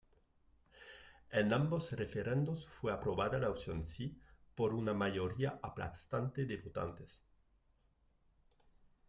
En ambos referendos fue aprobada la opción "Si" por una mayoría aplastante de votantes.